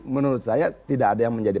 menurut saya tidak ada yang menjadi